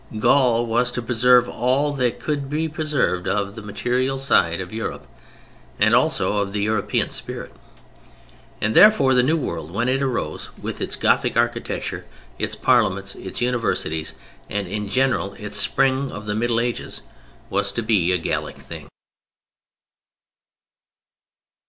Gaul was to preserve all that could be preserved of the material side of Europe, and also of the European spirit. And therefore the New World, when it arose, with its Gothic Architecture, its Parliaments, its Universities, and, in general, its spring of the Middle Ages, was to be a Gallic thing.